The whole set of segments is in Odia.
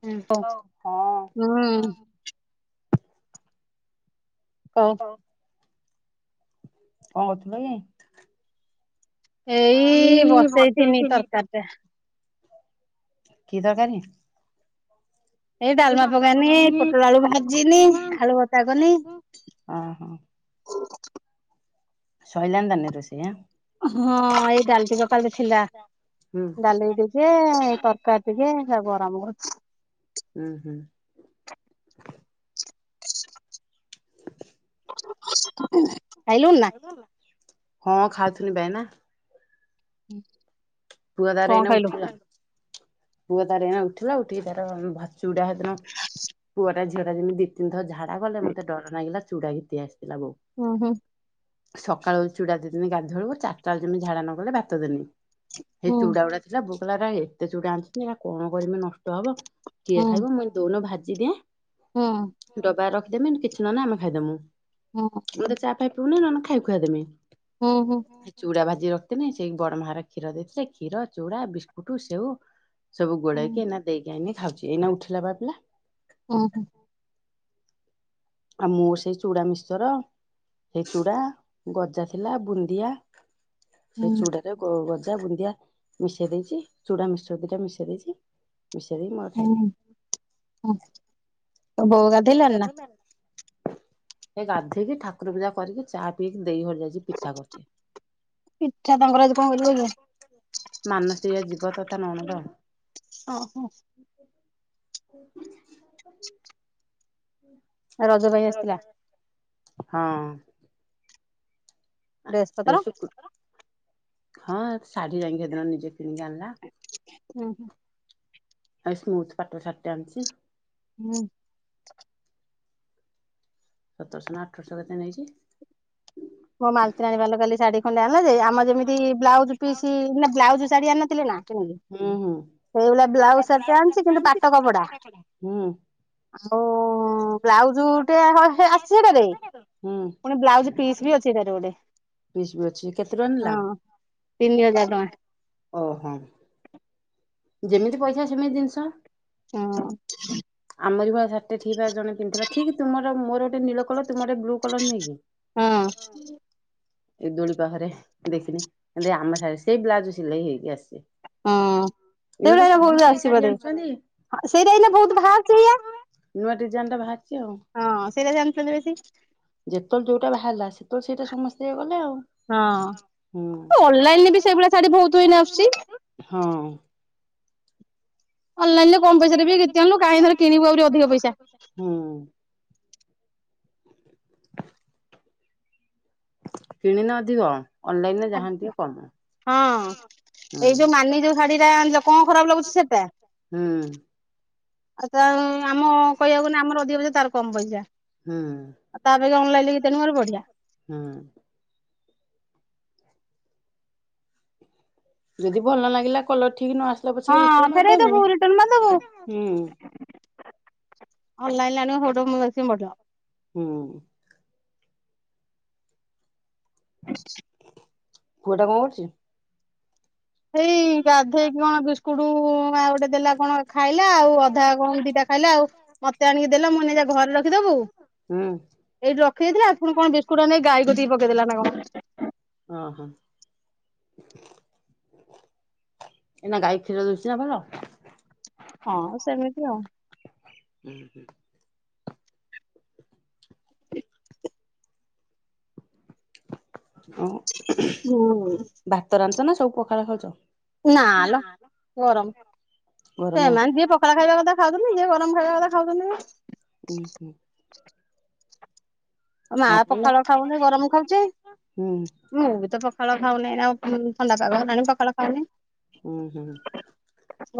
ହ ହ ହଁ ହୁଁ। [unintelligible] କଣ କରୁଥିଲ କି? ଏଇ ବସେଇଥିନି ତରକାରୀ ଟା। କି ତରକାରୀ? ଏଇ ଡାଲମା ବଘାରିନି, ପୋଟଳ, ଆଳୁ ଭାଜିନି, ଆଳୁ ଭର୍ତା କନି। ଓହୋ ସଇଲାଣି ନା ରୋଷେଇ? ହଁ ଏଇ ଡାଲିଟି ପକାଳରେ ଥିଲା ହୁଁ ଡାଲି ଟିକେ ଏଇ ତରକାରୀ ଟିକେ ତା ଗରମ ହଉଛି। ହୁଁ ହୁଁ ଖାଇଲୁଣି ନା ଖାଇଲୁନ୍ ନାଁ ହଁ ଖାତ୍ ତୁନ୍ ବେନା, ହୁଁ ଟୁ ହଜାର ଏଇନା ଉଠିଲା [unintelligible] ପୁଅ ତାର ଏଇନା ଉଠିଲା ଉଠିକି ତାର ଭାଚୁଡା ସେ ଦିନ ପୁଅଟା ଝିଅଟା ଯେମିତି ଦି ତିିନ୍ ଥର ଝା ତା ଗଲେ ମତେ ଡର ଲାଗିଲା ସେ ଚୁଡ଼ା ଘିତି ଆସ୍ ହୁଁ ହୁଁ ସକାଳୁ ଚୁଡ଼ା ଦେଇଦେନି ଗାଧୁଆବେଳକୁ ଚାରଟା ରେ ଯେମି ଝାଡ଼ା ନ କଲେ ଭାତ ଦେନି ସେ ହୁଁ ଚୁଡ଼ା ଗୁଡ଼ା ଥିଲା ବୋ ହେଲା ରା ଏତେ ଚୁଡ଼ା ଆଣିଛନ୍ ଏହା କଣ କରିବି ନଷ୍ଟ୍ ରବ କିଏ ହୁଁ ଖାଇବ ମୁଁ ଦଉନ ଭାତ୍ ଯିଦିଇଁଏ [unintelligible] ଡବା ରଖ୍ ଦେମିନି କିଛି ନ ନା ଆମେ ଖାଇଦେମୁ ହଁ ହଁ [unintelligible] ଟୁଣିନୁଣା ଖାଇ ଖୁଆଇଦେମି ହୁଁ [unintelligible] ଚୁଡ଼ା ଭାତ୍ ଯିଏ ରଖ୍ ତିନି ସେଇ ବଡ଼ ମାହାର କ୍ଷୀର ଦେଇଥିଲେ କ୍ଷୀର ଚୁଡ଼ା ବିସ୍କୁଟୁ ସେଉ, ସବୁ ଗୋଡ଼େଇକି ଏନା ଦେଇକି ଆନି ାଉଛି ଏଇନା ଉଠିଲା ବା ପିଲା ହୁଁ ହୁଁ ଆ ମୁଁ ସେଇ ଚୁଡ଼ା ମିଶର ସେଇ ଚୁଡ଼ା ଗଜା ଥିଲା ବୁନ୍ଦିଆ, ସେଇ ହୁଁ ଚୁଡ଼ା ରେ ଗ ଗସେ ଦ ବୁନ୍ଦିଆ ମିଶେଇ ଦେଇଛି ଚୁଡ଼ା ମିକ୍ ସର୍ ଦିଟା ମିଶେଇ ଦେଇଛି, ମିଷେଇ ଦେଇକି ମୋର ହୁଁ ଖାଇଲିି ହୁଁ [unintelligible] ବୋ ସେ ଗାଧେଇକି ଠାକୁର ପୂଜା କରିକି ଚାହା ପିଇକି ନା ଦେଇ ଘରେ ଯାଇଛି ପିଠା କରି ପିଠା ତାଙ୍କର ଆଜି କଣ ଦିଏ କରିବେ କି [unintelligible] ମାନସିଏ ଜୀବ ତଥା ନଣନ୍ଦ ଓହୋ [unintelligible] [inaudible] [inaudible] ହେ ରଜ ପାଇଁ ଆସିଥିଲା। ହଁ ଡ୍ରେସ ଏଇ ପତ୍ର ଶୁକ୍ରବାର ହଁ ଶାଢ଼ୀ ଯାଇକି ସେ ଦିନ ନିଜେ ନେଇକି ଆଣିଲା। ହୁଁ ଆଉ ସ୍ମୁଥ ପାଟ ଶାଢ଼ୀ ଆଣିଛି। ହୁଁ। ସତରଶହ ନା ଅଠରଶହ କେତେ ନେଇଛି। ମୋ ମାଲତୀ ନାନୀ କାଲି ଶାଢୀ ଖଣ୍ଡେ ଆଣିଲ ଯେ ଆମ ଯେମିତି ବ୍ଲାଉଜ ପି ବ୍ଲାଉଜ ଶାଢୀ ଆଣିଥିଲେ ନା ହୁଁ ହୁଁ ସେଇଭଳିଆ ବ୍ଲାଉଜ ଶାଢ଼ୀଟେ ଆଣିଛି କିନ୍ତୁ ପାଟ କପଡା ହୁଁ ଆଉ ବ୍ଲାଉଜ ଟେ ଅଛି ସେଥିରେ ହୁଁ ପୁଣି ବ୍ଲାଉଜ ପିସ୍ ବି ଅଛି। ପିସ୍ ବି ଅଛି କେତେ ଟଙ୍କା ନେଲା? ହଁ ତିନି ହଜାର ଓହୋ ଟଙ୍କା। ଯେମିତି ପଇସା ସେମିତି ଜିନିଷ। ହଁ। ଆମରି ଭଳିଆ ଶାଢ଼ୀ ଟା ଠିକ ଜଣେ ପିନ୍ଧିଥିଲା ଠିକ ତମର ମୋର ଗୋଟେ ନୀଳ କର ତୁମର ବ୍ଲୁ କଲର ନାହିଁ କି ହଁ। ହଁ ଏଇ ଦୋଳି ପାଖରେ ଦେଖିନି ଆମ ସାହି ରେ ସେହି ବ୍ଲାଉଜ ସିଲେଇ ହେଇକି ଆସିଛି। ହଁ। ଏଇନା ସେଇଟା ତ ଏଇ ସବୁ ଭୁଲରେ ସେଇ ଶାଢ଼ୀ ଆସିବନି ଆଣୁଛନ୍ତି। ସେଇଟା ଏଇ ବହୁତ ବାହାରୁଛି ଏଇଆ। ନୂଆ ଡିଜାଇନ୍ ଟା ବାହାରିଛି ଆଉ ହଁ ସେଇଗୁରା ଆଣୁଛନ୍ତି ବେଶୀ ହେଲା ସେତେବେଳେ ସେଇଟା ସମସ୍ତେ ନେଇଗଲେ ଆଉ ହଁ ହୁଁ ଅନଲାଇନରେ ବି ସେଇଭଳିଆ ଶାଢୀ ବହୁତ ଅଇନା ଆସୁଛି। ହଁ। ଅନଲାଇନ ରେ କମ ପଇସାରେ ବି କ୍ଷିତି ଅଣୂନୁ କାହିଁ ଏଥର କିଣିବୁ ଆହୁରି ଅଧିକ ପଇସା ହୁଁ [unintelligible] କିଣିଲେ ଅଧିକ ଅନଲାଇନରେ ଯାହାହେନେ ଟିକେ କମ। ହଁ ହୁଁ ଏଇ ଯୋଉ ମାନି ଯୋଉ ଶାଢୀ ଟା କଣ ଖରାପ ଲାଗୁଛି ଶାଢ଼ୀ ହୁଁ ଟା ଆମ କହିବାକୁ ଗଲେ ଆମର ଅଧିକ ପଇସା ତାର କମ ପଇସା ହୁଁ ତା ଅପେକ୍ଷା ଅନଲାଇନରୁ ଘିତିଆଣିବୁ ବଢିଆ ପଇସା। [inaudible] ଯଦି ଭଲ ନଲାଗିଲା କଲରଠି ଠିକ ନ ଆସିଲେ ହଁ ପଛେ ରିଟର୍ନ ଫେରେଇ ଦବୁ ରିଟର୍ଣ ମାରିଦେବୁ ହୁଁ। ଅନ୍ଲାଇରେ ଆଣିବ ସବୁଠୁ ଉଁ ବେଶି [unintelligible] ହୁଁ। [inaudible] ପୁଅ ଟା କଣ କରୁଛି? ସେଇ ଗାଧେଇକି କଣ ବିସ୍କୁଟ ମା ଗୋଟେ ଦେଲା କଣ ଖାଇ ଆଉ ଅଧା କଣ ଦିଟା ଖାଇଲା ଆଉ ମତେ ଆଣିକି ଦେଲା ମୁଁ କହିଲି ନେଇଜା ଘରେ ରଖିଦବୁ ହୁଁ ଖାଇଲା ପୁଣି କଣ ବିସ୍କୁଟ ଟା ନେଇକି ଗାଈ କତିରେ ପକେଇଦେଲା ନା କଣ ଓ ହୋ। ଏନା ଗାଈ କ୍ଷୀର ଦଉଛି ନା ଭଲ? ହଁ ସେମିତି ଆଉ। ଓ ହୁଁ। ଭାତ ରାନ୍ଧିଚ ନା? [unintelligible] ନାଲ ଗରମ ଗରମ ସେମାନେ ଯିଏ ପଖଳା ଖାଇବା କଥା ଖାଉଛନ୍ତିି, ଯିଏ ଗରମ ଖାଇବା କଥା ହୁଁ ଖାଉଛନ୍ତିି। ହୁଁ ମା ଆପଣ ପଖାଳ ଖାଉନି ଗରମ ଖାଉଛି, ହୁଁ ମୁଁ ବି ତ ପଖାଳ ଖାଉନହି ଆଉ। ଥଣ୍ଡା ପାଗ ନହେଲାଣି ପକାଳ ଖାଉନି।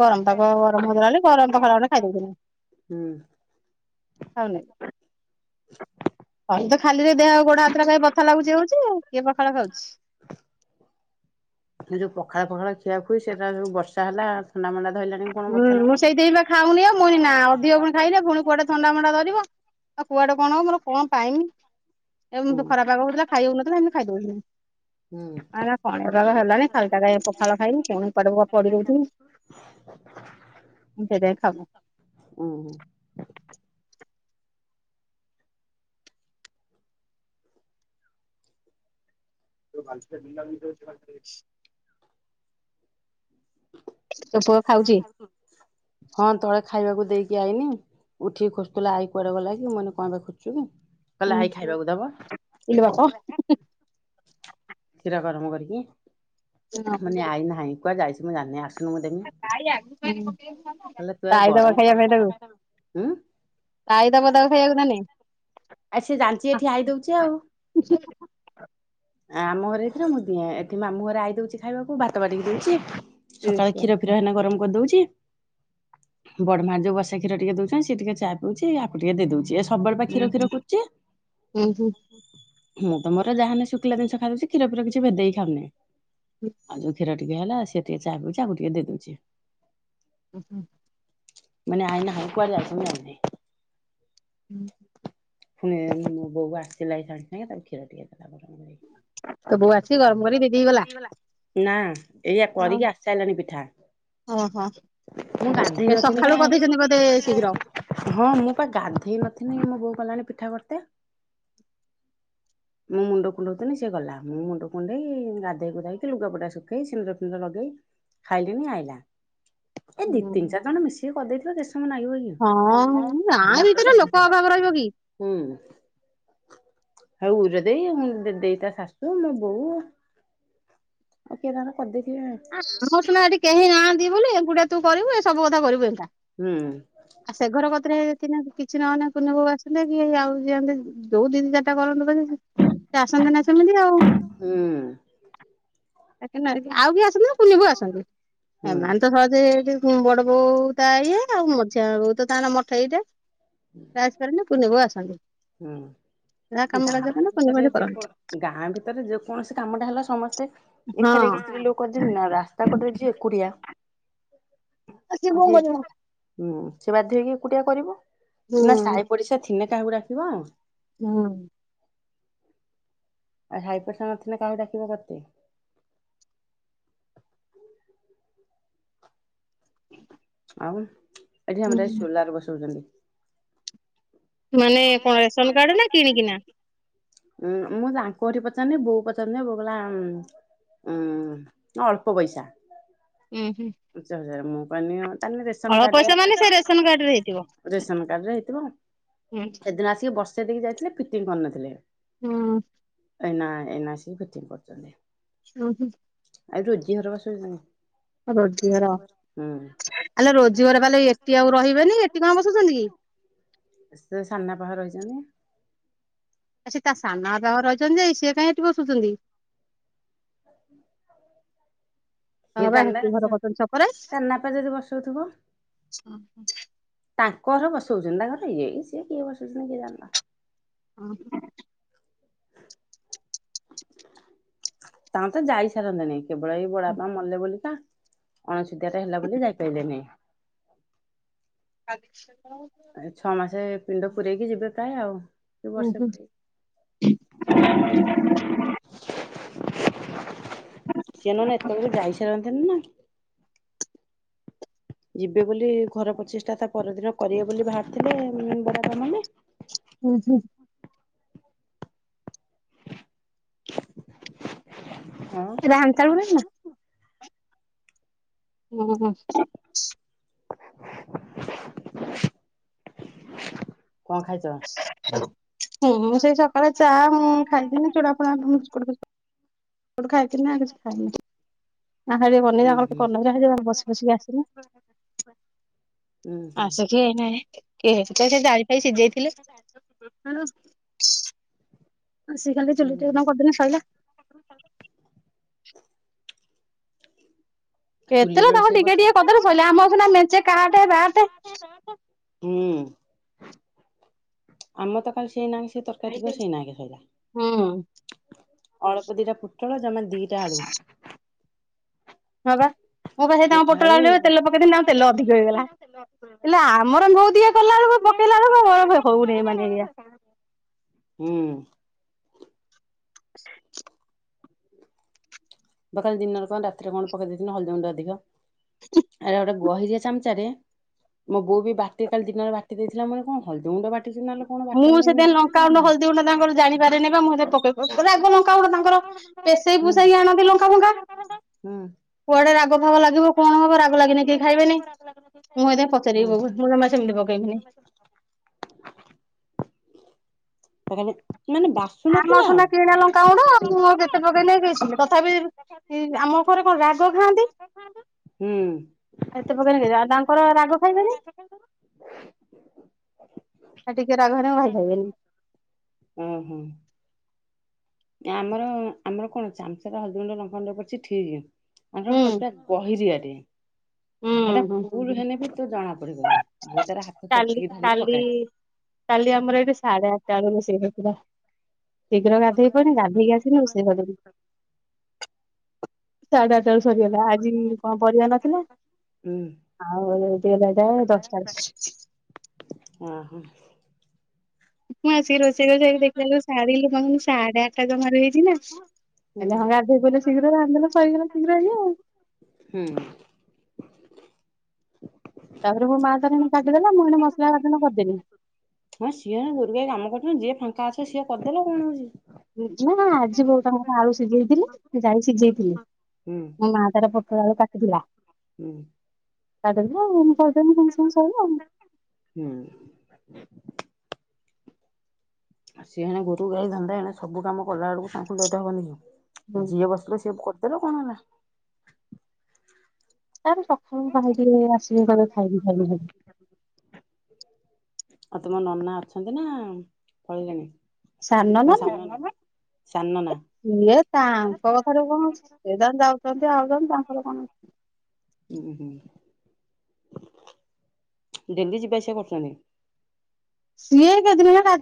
ଗରମ ପାଗ ଗରମ ହଉଥିଲା ବୋଲି ଗରମ ପଖାଳ ଖଣ୍ଡେ ଖାଇଦଉଥିଲି [unintelligible] [unintelligible] [unintelligible] [unintelligible] ଖାଲିରେ ଦେହଉ ଗୋଡ ହାତରେ ଖାଇ ବଥା ଲାଗୁଛି ହଉଛି, କିଏ ପଖାଳ ଖାଉଛି। ଏ ଯୋଉ ପଖାଳ ପଖାଳ ଖିଆ ସେଟା ସୁ ବର୍ଷା ହେଲା ଥଣ୍ଡା ମଣ୍ଡା ଧଇଲାଣି କଣ ହୁଁ ବଥା ନା ମୁଁ ସେଇଥିବା ଖାଉନି ଆଉ ମୁଇ ନା ଅଧିକ ପୁଣି ଖାଇଲେ ପୁଣି କୁଆଡେ ଥଣ୍ଡା ଫଣ୍ଡା ଧରିବ, ଆଉ କୁଆଡେ କଣ ହବ ମୋର କଣ ପାଇମି, ଏ ହୁଁ ଖରାପ ପାଗ ହଉଥିଲା ଖାଇ ହଉନଥିଲା, ସେମିତି ଖାଇଦଉଛି। ହୁଁ କଣାଗ ହେଲାନି ଖାଲିା ପଖାଳ ଖାଇଲିି ପୁଣିେ ପଡି ଦଉଥିଲି ହୁଁ [inaudible] [unintelligible] ଖାଉଚି ହଁ ତଳେ ଖାଇ ଖାଇବାକୁ ଦେଇକି ଆଇନି ଉଠିକି ଖୋଜୁଥିଲା ଆଇ କୁଆଡେ ଗଲା କି ମୁଁ କହିଲି କଣ ପାଇଁ ଖୋଜୁଛୁ କି? କହିଲା ଆଈ ଖାଇବାକୁ ଦବ [unintelligible] କ୍ଷୀର ଗରମ କରିକି। ମାନେ ଆଇ ନାହିଁ। କୁଆଡେ ଯାଉଛି ମୁଁ ଜାଣିନି ଆସୁ କହିଲେ ତୁ ଏ ଗରମ କଣ ଉଁ [inaudible] ଖାଇବାକୁ ତାନେ ଆ ସେ ଜାଣିଛି ଏଠି ଆଇ ଦଉଛି ଆଉ। ଆ ଆମ ଘରେ ଏଇଥିଥିଲା, ମୁଁ ଦିଏଁ ଏଠି ମାମୁ ଘରେ ଆଇ ଦଉଛି, ଖାଇବାକୁ ଭାତ ବାଟିକି ଦଉଛି। ସକାଳେ କ୍ଷୀର ଫୀର ହେଲେ ଗରମ୍ ଦଉଛି ବଡମା ଯୋଉ ବସା କ୍ଷୀର ଟିକେ ଦଉଛନ୍ତି, ସେଏ ଟିକେ ଚା ପଉଛି ଆକୁ ଟିକେ ଦେଇ ଦଉଛି [unintelligible] ମୁଁ ତମର ଯାହା ଶୁଖିଲା ଜିନଷ ଖାଇଦଉଛି କ୍ଷୀର ଫିର କିଛି ଭେଦେଇ କି ଖାଉନି। ଆ ଯଉ କ୍ଷୀର ଟିକେ ହେଲା ସେ ଟିକେ ଚା ପାଇଲା ଆକୁ ଟିକେ ଦେଇଦଉଚି। ଉଁ ହୁଁ। ମାନେ ଆଇନା ହାଇ [unintelligible] ପୁଣି ମୋ ବୋଉ ଆସିଲା ଏଇ ସାଙ୍ଗେ ସାଙ୍ଗେ ତାକୁ କ୍ଷୀର ଟିକେ ଦେଲା। କରିକି ତୋ ବୋଉ ଆସିକି ଗରମ କରି ଦିଦି ଗଲା। ନାଁ। ଏୟା କରିକି ଆସି ସାଇଲାଣି ପିଠା ଓହୋ। ମୁଁ ଗାଧେଇ ସେ ନଥିନି ସକାଳୁ ପା କରିଦେଇଛନ୍ତି ବୋଧେ ଶୀଘ୍ର। ହଁ ମୁଁ ପା ଗାଧେଇ ନଥିନି। ବଉ କଲାଣି ପିଠା କରିତେ ମୋ ମୁଣ୍ଡ କୁଣ୍ଡଉଥିନି ସେ ଗଲା ମୁଁ ମୁଣ୍ଡ କୁଣ୍ଡେଇ ଗାଧେଇ ଗୁଧେଇକି ଲୁଗାପଟା ଶୁଖେଇ ସିନ୍ଦୁର ଫିନ୍ଦୁର ଲଗେଇ ଖାଇଲିଣି ଆଇଲା। ଏଇ ଦି, ତିନି, ଚାର ଜଣ ମିଶିକି କହିଦେଇଥିବେ କେତେ ସ କେତେ ସମୟ ଲାଗିବକି? ହଁ ଗାଁ ଭିତରେ ଲୋକ ଅଭାବ ରହିବ କି ହୁଁ। ହଉ ଯଦି ଦେଇ ତା ଶାଶୁ ମୋ ବୋଉ ଆଉ କିଏ ତାର କରିଦେଇ ଆମର ସିନା ଏଠି କେହି ନାହାନ୍ତି ବୋଲି ଏକୁଟିଆ। ତୁ କରିବୁ ଏ ସବୁ କଥା କରିବୁ। ହୁଁ ଆଉ ସେ ଘର କତରେ ହେଇ ଥିନେ କି? କିଛି ନ ହେଲେ କୁନୁ ବଉ ଆସିଲେ କି ଆଉ ଯିଅନ୍ତି ଯୋଉ ଦିଦି ଚାରିଟା କରନ୍ତୁ। ସେ ଆସନ୍ତି ନା ସେମିତି ଆଉ। ହୁଁ [unintelligible] ଆଉ କି ଆସନ୍ତି ନା କୁନି ବୋଉ ଆସନ୍ତି। ହୁଁ ଏମାନେ ତ ସହଜେ ଏଇଠି ବଡ଼ ବୋଉ ତା ଇଏ ଆଉ ମଝିଆ ବୋଉ ତ ତାର ମଠେଇ ଟା। ଯାହା ହୁଁ କାମ କାର୍ଯ୍ୟ ଗାଁ କଲେ ପୁନି ଭିତରେ ବୋଉ କରନ୍ତି। ଯେକୌ ଗାଁ ଭିତରେ ଯେକୌଣସି କାମଟା ହେଲା ସମସ୍ତେ ଏଖାରି ହଁ ହେଇକି ସ୍ତ୍ରୀ ଲୋକ କରିଦିଅନ୍ତି ନା ରାସ୍ତା କଡ଼ରେ ଯିଏ ଏକୁ [unintelligible] ଆକୁ ଯେ ହୁଁ। ସେ ବାଧ୍ୟ ହୋଇକି ଏକୁଟିଆ କରିବ। ହୁଁ ନା ସାଇ ପଡିଶା ଥି। ନେ କାହାକୁ ଡ଼ାକିବ। ହଁ। ଆଉ ସାଇପଡି଼ଶା ନଥିଲେ କାହାକୁ ଡ଼ାକିବ କେରିତେ। [inaudible] ଆଉ। ଏଠି ହୁଁ। ଆମର ଏ ହୁଁ ସୋଲାର ବସଉଚନ୍ତି। ମାନେ କଣ ରେସନ କାର୍ଡ ନା କିଣିକିନା? ଉଁ ମୁଁ ତାଙ୍କ ଘଠି ପଚାରନି ବୋଉ ପଚାନି୍ ବୋ କଲା ଉଁ ଅଳ୍ପ ପଇସା। ହୁଁ ହୁଁ। ପାଞ୍ଚ ମୁଁ ପାନିଅ। ତାନେ ରେସନ୍ ଅଳ୍ପ କାର୍ଡ଼ ପଇସା ରେ। [inaudible] ମାନେ ସେ ସେଦିନ ରେସନ କାର୍ଡ ରେ ହେଇଥିବ। ହୁଁ। ଆସିକି ବର୍ଷ ସେଠିକି ଯାଇଥିଲେ ଫିଟିଂ କରିନଥିଲେ ହୁଁ ଏନା ଏନା ସିଏ ଫିଟିଂ କରୁଛନ୍ତି ହଁ ହୁଁ ଆଉ ରୋଜି ଘର ବାସୁଚିନା ରୋଜଗାର କଣ ଆଲୋ ରୋଜଗାର ବାଲେ ଏଠି ଆଉ ରହିବେନି ଏଠି କଣ ବସୁଛନ୍ତି କି? ହୁଁ ସେ ସାନବାପା ଘରେ ରହି ଜମି ଆ ସେ ତା ସାନ ବାପାଘରେ ରହିଛନ୍ତି ସିଏ କାଇଁ ଏଠି ବସୁଛନ୍ତି [unintelligible] ତା କିଏ ବାବା ଜାନା ହେଠି ଘର କରିଛନ୍ତି ଛକରେ। ସାନବାପା ଯଦି ବସଉଥିବ ଶୋଉଛନ୍ତି ତା ଘରେ ହେଇ ସିଏ କିଏ ବା କିଏ ଶୋଉଛନ୍ତି କିଏ ଜନା ହଁ ପା ତାଙ୍କୁ ତ ଯାଇ ସାରନ୍ତାନି କେବଳ ଏଇ ବଡାପା ମଲେ ବୋଲି ତା ଅଣସୁଧିଆ ଟା ହେଲା ବୋଲି ଯାଇପାଇଲେନି [inaudible] [unintelligible] ଏ ଛଅ ମାସ ପିଣ୍ଡ ପୁରେଇକି ଯିବେ କାଇଁ ଆଉ କି ବର୍ଷେ ଓହୋ ସିଏ ନହେଲେ ଏତଳକୁ ଯାଇ ସାରନ୍ତିନ ନା ଯିବେ ବୋଲି ଘର ପ୍ରଚେଷ୍ଟା ତା ପରଦିନ କରିବେ ବୋଲି ଭାରିଥିଲେ ବଡାପା ମଲେ ହୁଁ ହୁଁ [inaudible] ରାମ ତା ମୁନ୍ନା ହୁଁ ହୁଁ ହୁଁ [inaudible] କଣ ଖାଇଛ ହୁଁ ମୁଁ ସେଇ ସକାଳେ ଚା ମୁଁ ଖାଇଥିନି ଚୁଡ଼ା ଫୁଡ଼ା ନୁଣି ବିସ୍କୁଟ ଫି [unintelligible] ଆହାରେ ଉଁ ବନେଇବା ହୁଁ କଲରା ବସି ବସିକି ଆସନି ଉଁ ହୁଁ ଆସିଛି ଏନା ସେ ଜାଇ ଫାଇ ସିଝାଇଥିଲେ ଆ ସିଏ ଖାଲି ଉଁ ଚୁଲି ହୁଁ ଚିକେନେ କରିଦେଲେ ସଇଲା। ସେଥିରେ ଚୁଲିରେ ତାଙ୍କ ରୋଷେଇ ଟିକେ କରୁଛ? ଟିକେ କଥାରେ ସାଇଲା ଆମରସିନା ମେଞ୍ଚେ କାଟେ ବାଟେ ହୁଁ ଆମ ତ କାଲି ସେଇ ନା ସେ ତରକାରୀ କରି ସିନାକେ ଖାଇଲା ହୁଁ ଅଳପ ଦିଟା ଫୁ ପୋଟଳ ଜମା ଦିଟା ଆଳୁ ହଁ ବା ମୁଁ ବା ସେଇ ତାଙ୍କ ଦିଟା ପୋଟଳ ଆଳୁ ଆଳୁରେ ତେଲ ପକେଇଦେଲି ତାଙ୍କ ତେଲ ଅଧିକ ହେଇଗଲା, ହେଲେ ଆମର ବୋଉ ଦିଏ କଲା ବେଳକୁ ପକେଇଲା ବେଳକୁ ହଉନି ମାନେ ଏଇଆ। ହୁଁ [inaudible] ବା କାଲି ଦିନରେ କଣ ରାତିରେ କଣ ପକେଇ ଦେଇଥିଲୁ ହଳଦୀଗୁଣ୍ଡ ଅଧିକ। ଆରେ [unintelligible] ଗହିରିଆ ଚାମଚାରେ ମୋ ବୋଉ ବି ବାତି କାଲି ଦିନରେ ବାତି ଦେଇଥିଲା ମାନେ କଣ ହଳଦୀ ଗୁଣ୍ଡ ବାଟି ମୁଁ ସେଥି ଲଙ୍କାଗୁଣ୍ଡ ହଳଦୀ ଗୁଣ୍ଡ ତାଙ୍କର ଜାଣିପାରେନି ବା ମୁଁ ସେଇ ପକେଇ ପ ରାଗ ଲଙ୍କାଗୁଣ୍ଡ ତାଙ୍କର ପେସେଇ ହୁଁ ପୁସେଇକି ଆଣ ଲଙ୍କା ଫୁଙ୍କା କୁଆଡେ ରାଗ ଫାଗ ଲାଗିବ କଣ ହବ ରାଗ ଲାଗିନି କିଏ ଖାଇବେନି ମୁଁ ଏଥି ହୁଁ ପଚାରିବି ବୋଉକୁ ମୁଁ ଜମା ସେମିତି ପକେଇବିନି। ତ ଖାଲି ଆମର ସୁନା କିଣା ଲଙ୍କାଗୁଣ୍ଡ ମୁଁ ଆଉ କେତେ ଲଗେଇ ନେଇକି ଯିବି ତଥାପି ଏ ଆମ ଘରେ କଣ ରାଗ ଖାଆନ୍ତି ଏତେ ପକେଇଲେ କେହି ଆଉ ତାଙ୍କର ରାଗ ଖାଇବେନି ହୁଁ ଆ ଟିକେ ରାଗ ହେଲେ ମୋ ଭାଇ ଖାଇିବେନି। ଓହୋ ଆମର ଆମର କଣ ଅଛି [unintelligible] ର ଲଙ୍କାଗୁଣ୍ଡ ପଡିଛି ଠିକ ଆମର ହୁଁ କଣ ପୁରା ଗହିରୀଆଟେ। ହୁଁ ସେଟା ହୁଁ ଫୁଲ ହେଲେ ବି ତୋ ଜଣା ପଡିବ ନାହିଁ। ବୋଉ ତାର ହାତ କାଲି ଚକିକି ଧରିକି କାଲି ପକାଏ କାଲି ଆମର ଏଠି ସାଢେ ଆଠଟା ବେଳୁ ରୋଷେଇ ସରିଥିଲା। ଶୀଘ୍ର ଗାଧେଇ ପାରୁନି ଗାଧେଇକି ଆସିଲା [unintelligible] ସାଢ଼େ ଚାରଟା ବେଳକୁ ସରିଗଲା ଆଜି କଣ ପରିବା ନଥିଲା ହୁଁ ଆଉ [unintelligible] ଏ ଦଶଟା [unintelligible] ଓହୋ ହୁଁ ମୁଁ ଆସି ରୋଷେଇ ଫୋସେଇ ଦେଖିଲା ଶାଢୀ ଲୁ [unintelligible] ସାଢେ ଆଠଟା ଜମାରୁ ହେଇଛି ନା। ହେଲେ ହଁ ଗାଧେଇ ପଇଲେ ଶୀଘ୍ର ରାନ୍ଧିଦେଲେ ସରିଗଲା ଶୀଘ୍ର ଏଇଆଉ। ହୁଁ ତାପରେ ମୋ ମା ତାର ଏଇନା କାଟିଦେଲା ମୁଁ ଏଣେ ମସଲା ବାଟଣ କରିଦେଲିି। ହଁ ସିଏ ଏଇନା ଗୋରୁ ଗାଈ କାମ କରୁଛନ୍ତି ଯିଏ ଫାଙ୍କା ଅଛ ସିଏ କରିଦେଲ କଣ ହଉଛି। ନା ଆଜିି ବୋଉ ତାଙ୍କର କଣ ଆଳୁ ସିଝେଇଥିଲେ ସେ ଯାଇଛି [unintelligible] ହୁଁ ମୋ ମା ତାର ପ ତାର କାଟିଥିଲା ହୁଁ। କାଟିଥିଲା ମୁଁ କରିଦେଲି ସାଙ୍ଗେ ସାଙ୍ଗେ ସଇଲା ଆଉ। ହୁଁ ଆ ସିଏ ହଁ ଗୋରୁ ଗାଈ ଧନ୍ଦା ଏଣେ ସବୁ କାମ କଲା ବେଳକୁ ତାଙ୍କୁ ବ୍ୟଧା ହବନି କି? ଆଉ। ଯିଏ ବସିଲ ସିଏ ଦେଲ କଣ ହେଲା? ତାର ସକାଳୁ ଗାଧେଇକି ଆସିବି କହିବ ଖାଇବି ଖାଇବି ଖାଇବି। ଆଉ ତୁମ ନନା ଅଛନ୍ତି, ନା ପଳିଲେଣି। ସାନ ନା ନା ସାନ ନନା ସିଏ ତାଙ୍କ କଥାଠାରୁ କଣ ଅଛି? ଏଦ ଯାଉଛନ୍ତି, ଆଉଛନ୍ତି ତାଙ୍କର କଣ ଅଛି? ହୁଁ ହୁଁ। ଡେଲି ଯିବା ଆସିବା କରଛନ୍ତି। ସିଏ କେତେଦିନ ହେଲା। [inaudible]